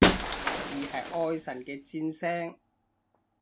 而係愛神嘅箭聲？